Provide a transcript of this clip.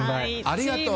ありがとう。